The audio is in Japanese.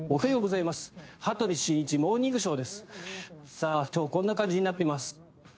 さあ、今日こんな感じになっています。